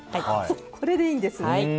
そうこれでいいんですね。